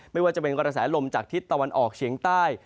ไม่ว่าจะเป็นกระแสลมจากทิศตะวันออกเฉียงใต้